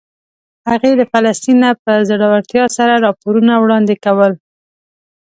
هغې له فلسطین نه په زړورتیا سره راپورونه وړاندې کول.